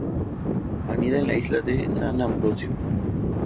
Anida en la isla de San Ambrosio.